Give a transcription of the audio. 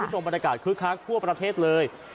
ดูตรงบรรยากาศคือคลักษณ์ทั่วประเทศเลย